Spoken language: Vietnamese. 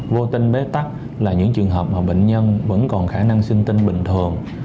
vô tinh bế tắc là những trường hợp mà bệnh nhân vẫn còn khả năng sinh tinh bình thường